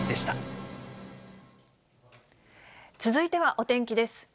続いてはお天気です。